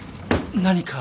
何か。